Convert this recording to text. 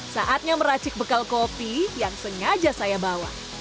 saatnya meracik bekal kopi yang sengaja saya bawa